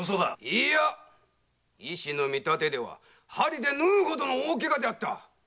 いいや医師の見立てでは針で縫うほどの大ケガであった。